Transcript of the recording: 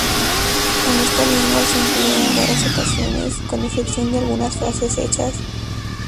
En esta lengua se emplea en raras ocasiones, con excepción de algunas frases hechas.